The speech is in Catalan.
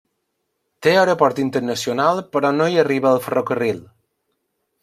Té aeroport internacional però no hi arriba el ferrocarril.